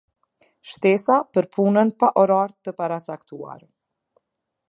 Shtesa për punën pa orar të paracaktuar.